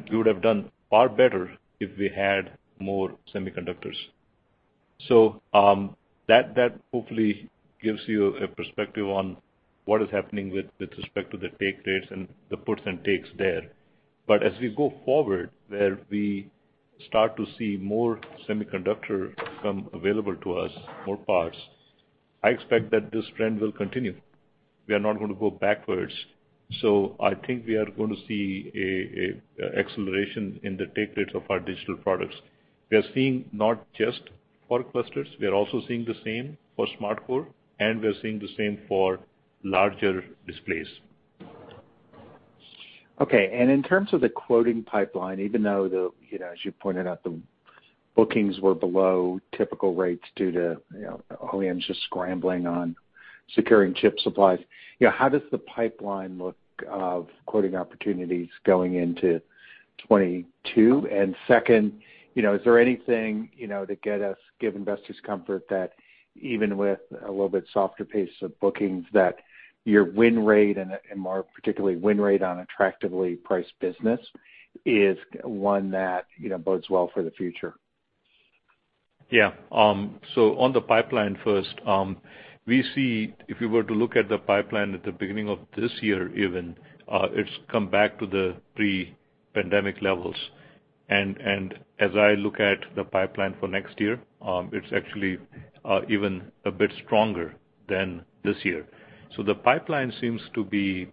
We would have done far better if we had more semiconductors. That hopefully gives you a perspective on what is happening with respect to the take rates and the puts and takes there. As we go forward, where we start to see more semiconductor become available to us, more parts, I expect that this trend will continue. We are not gonna go backwards. I think we are gonna see an acceleration in the take rates of our digital products. We are seeing not just for clusters, we are also seeing the same for SmartCore, and we are seeing the same for larger displays. Okay. In terms of the quoting pipeline, even though the, you know, as you pointed out, the bookings were below typical rates due to, you know, OEMs just scrambling on securing chip supplies, you know, how does the pipeline look of quoting opportunities going into 2022? Second, you know, is there anything, you know, to give investors comfort that even with a little bit softer pace of bookings, that your win rate and more particularly win rate on attractively priced business is one that, you know, bodes well for the future? Yeah. On the pipeline first, we see if you were to look at the pipeline at the beginning of this year even, it's come back to the pre-pandemic levels. As I look at the pipeline for next year, it's actually even a bit stronger than this year. The pipeline seems to be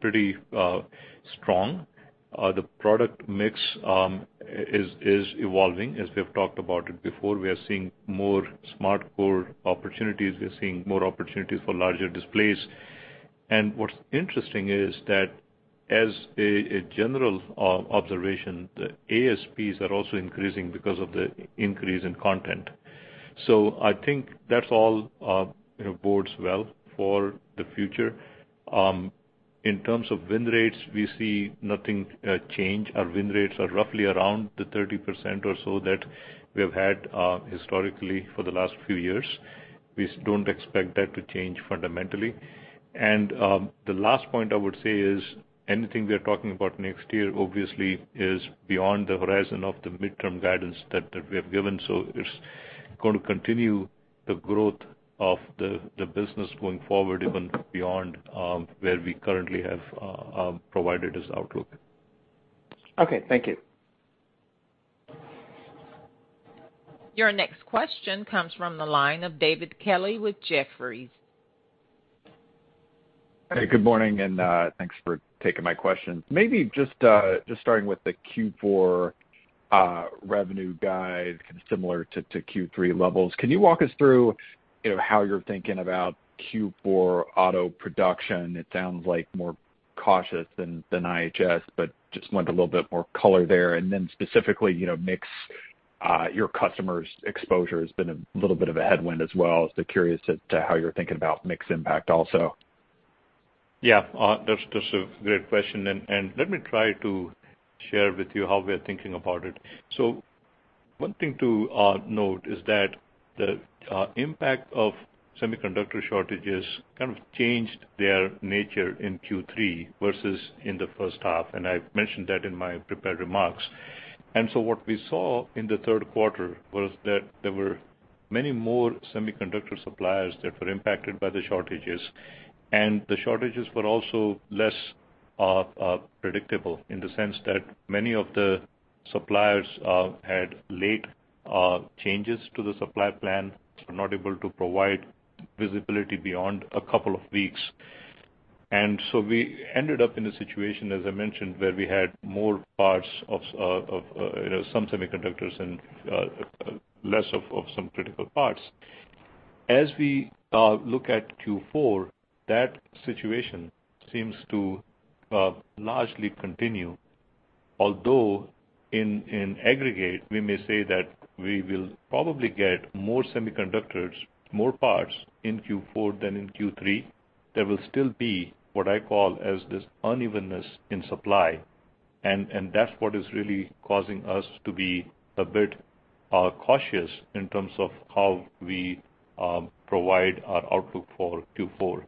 pretty strong. The product mix is evolving, as we have talked about it before. We are seeing more SmartCore opportunities. We are seeing more opportunities for larger displays. What's interesting is that as a general observation, the ASPs are also increasing because of the increase in content. I think that all, you know, bodes well for the future. In terms of win rates, we see no change. Our win rates are roughly around the 30% or so that we have had historically for the last few years. We don't expect that to change fundamentally. The last point I would say is anything we are talking about next year obviously is beyond the horizon of the midterm guidance that we have given. It's gonna continue the growth of the business going forward, even beyond where we currently have provided as outlook. Okay, thank you. Your next question comes from the line of David Kelley with Jefferies. Hey, good morning, and thanks for taking my question. Maybe just starting with the Q4 revenue guide, kind of similar to Q3 levels. Can you walk us through, you know, how you're thinking about Q4 auto production? It sounds like more cautious than IHS, but just wanted a little bit more color there. Specifically, you know, mix, your customers' exposure has been a little bit of a headwind as well. Curious as to how you're thinking about mix impact also. Yeah. That's a great question, and let me try to share with you how we are thinking about it. One thing to note is that the impact of semiconductor shortages kind of changed their nature in Q3 versus in the first half, and I've mentioned that in my prepared remarks. What we saw in the third quarter was that there were many more semiconductor suppliers that were impacted by the shortages, and the shortages were also less predictable in the sense that many of the suppliers had late changes to the supply plan, so not able to provide visibility beyond a couple of weeks. We ended up in a situation, as I mentioned, where we had more parts of some semiconductors, you know, and less of some critical parts. As we look at Q4, that situation seems to largely continue, although in aggregate, we may say that we will probably get more semiconductors, more parts in Q4 than in Q3. There will still be what I call as this unevenness in supply, and that's what is really causing us to be a bit cautious in terms of how we provide our outlook for Q4.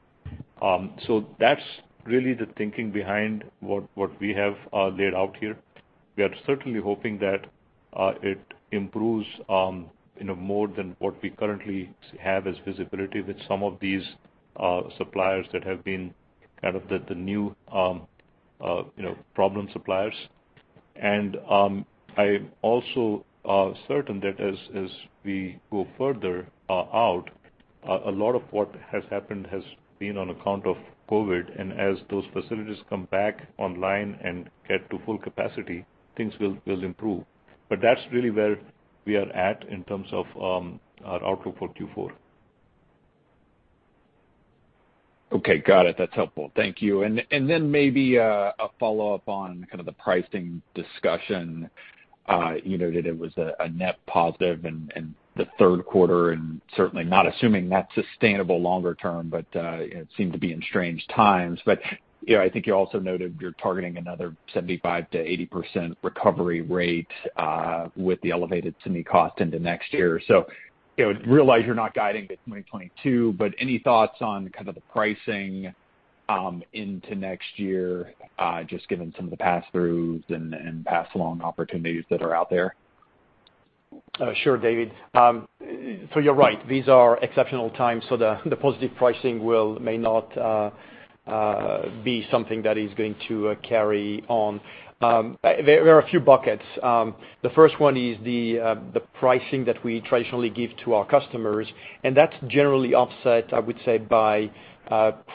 That's really the thinking behind what we have laid out here. We are certainly hoping that it improves, you know, more than what we currently have as visibility with some of these suppliers that have been kind of the new, you know, problem suppliers. I'm also certain that as we go further out, a lot of what has happened has been on account of COVID. As those facilities come back online and get to full capacity, things will improve. That's really where we are at in terms of our outlook for Q4. Okay. Got it. That's helpful. Thank you. Then maybe a follow-up on kind of the pricing discussion. You noted it was a net positive in the third quarter, and certainly not assuming that's sustainable longer term, but you know, seem to be in strange times. You know, I think you also noted you're targeting another 75%-80% recovery rate with the elevated semi cost into next year. You know, realize you're not guiding to 2022, but any thoughts on kind of the pricing into next year just given some of the pass-throughs and pass along opportunities that are out there? Sure, David. You're right. These are exceptional times, so the positive pricing may not be something that is going to carry on. There are a few buckets. The first one is the pricing that we traditionally give to our customers, and that's generally offset, I would say, by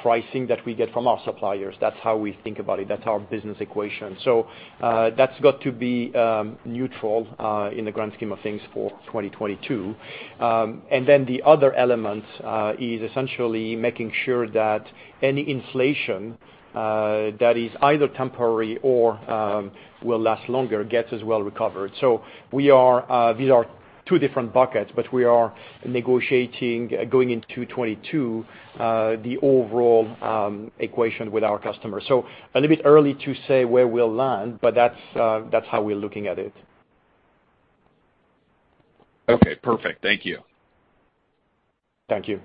pricing that we get from our suppliers. That's how we think about it. That's our business equation. That's got to be neutral in the grand scheme of things for 2022. Then the other element is essentially making sure that any inflation that is either temporary or will last longer gets as well recovered. These are two different buckets, but we are negotiating going into 2022 the overall equation with our customers. A little bit early to say where we'll land, but that's how we're looking at it. Okay. Perfect. Thank you. Thank you.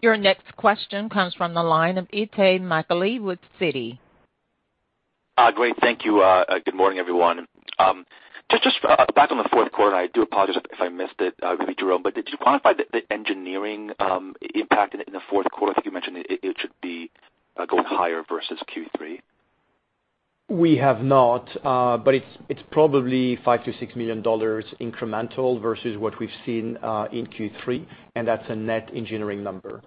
Your next question comes from the line of Itay Michaeli with Citi. Great. Thank you. Good morning, everyone. Just apologize if I missed it, maybe Jerome, but did you quantify the engineering impact in the fourth quarter? I think you mentioned it should be going higher versus Q3. We have not, but it's probably $5 million-$6 million incremental versus what we've seen in Q3, and that's a net engineering number.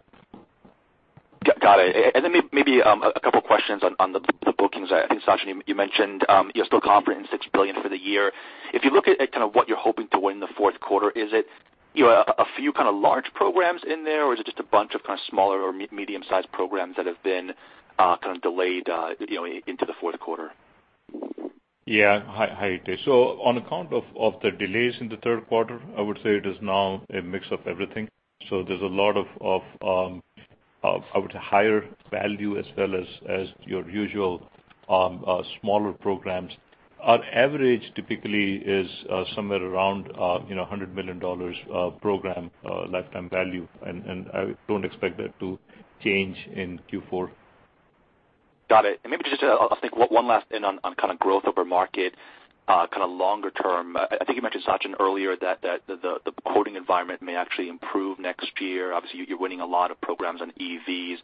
Got it. Maybe a couple questions on the bookings. I think, Sachin, you mentioned you're still confident $6 billion for the year. If you look at kind of what you're hoping to win in the fourth quarter, is it, you know, a few kind of large programs in there, or is it just a bunch of kind of smaller or medium-sized programs that have been kind of delayed, you know, into the fourth quarter? Yeah. Hi, Itay. On account of the delays in the third quarter, I would say it is now a mix of everything. There's a lot of higher-value as well as your usual smaller programs. Our average typically is somewhere around, you know, $100 million program lifetime value, and I don't expect that to change in Q4. Got it. Maybe just, I'll take one last one on kind of growth over market, kind of longer term. I think you mentioned, Sachin, earlier that the quoting environment may actually improve next year. Obviously, you're winning a lot of programs on EVs. Is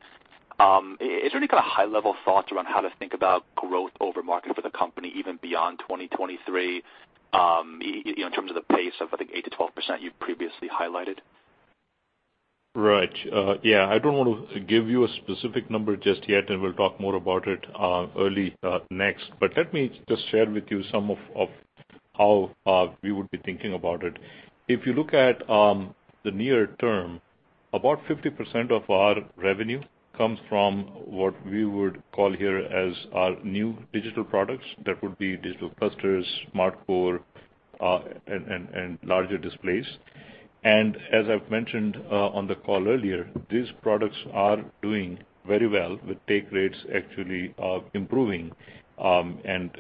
there any kind of high-level thoughts around how to think about growth over market for the company even beyond 2023, you know, in terms of the pace of, I think, 8%-12% you previously highlighted? Right. Yeah, I don't wanna give you a specific number just yet, and we'll talk more about it, early next. Let me just share with you some of how we would be thinking about it. If you look at the near term, about 50% of our revenue comes from what we would call here as our new digital products. That would be digital clusters, SmartCore, and larger displays. As I've mentioned on the call earlier, these products are doing very well, with take rates actually improving, and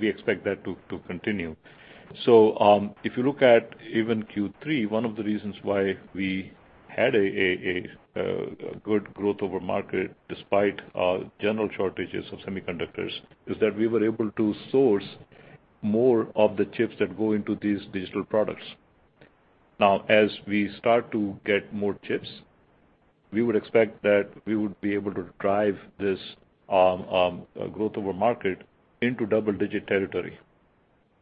we expect that to continue. If you look at even Q3, one of the reasons why we had a good growth over market despite general shortages of semiconductors is that we were able to source more of the chips that go into these digital products. Now, as we start to get more chips, we would expect that we would be able to drive this growth over market into double-digit territory.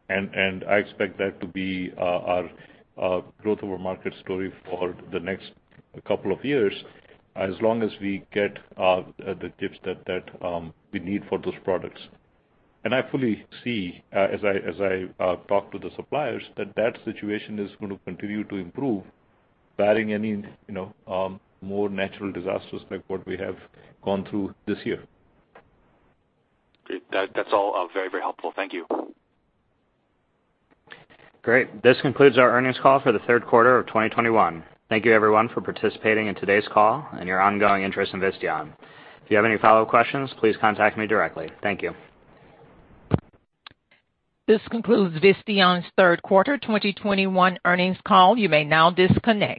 I expect that to be our growth over market story for the next couple of years, as long as we get the chips that we need for those products. I fully see as I talk to the suppliers that situation is gonna continue to improve barring any, you know, more natural disasters like what we have gone through this year. Great. That's all very helpful. Thank you. Great. This concludes our earnings call for the third quarter of 2021. Thank you, everyone, for participating in today's call and your ongoing interest in Visteon. If you have any follow-up questions, please contact me directly. Thank you. This concludes Visteon's third quarter 2021 earnings call. You may now disconnect.